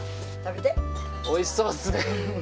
おいしそうですね。